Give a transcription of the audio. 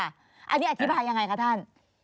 อันนี้อธิบายยังไงคะท่าน